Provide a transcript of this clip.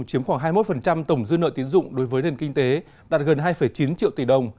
chiếm khoảng hai mươi một tổng dư nợ tiến dụng đối với nền kinh tế đạt gần hai chín triệu tỷ đồng